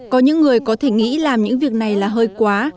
có những người có thể nghĩ làm những việc này là hơi quá